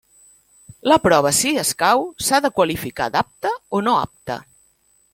La prova si escau, s'ha de qualificar d'apte o no apte.